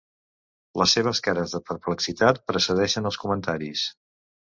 Les seves cares de perplexitat precedeixen els comentaris.